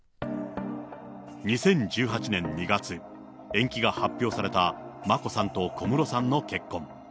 ２０１８年２月、延期が発表された眞子さんと小室さんの結婚。